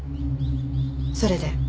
それで？